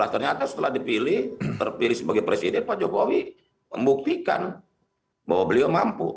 dua ribu dua belas dua ribu tiga belas ternyata setelah dipilih terpilih sebagai presiden pak jokowi membuktikan bahwa beliau mampu